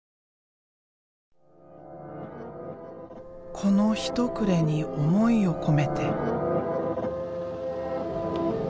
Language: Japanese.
この一塊に想いを込めて。